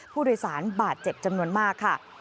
ผู้โดยสารบาดเจ็บจำนวนมากค่ะ